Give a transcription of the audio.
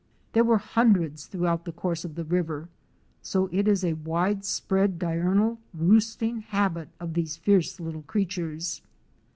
There were hundreds throughout the course of the river, so it is a wide spread diurnal roosting habit of these fierce little creatures.